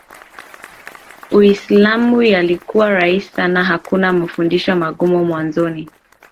Uislamu yalikuwa rahisi sana Hakuna mafundisho magumu mwanzoni